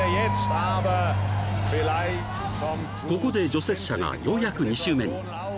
［ここで除雪車がようやく２周目に］